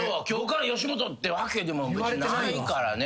今日から吉本ってわけでもない。